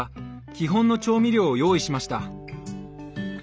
基本の調味料を用意しました。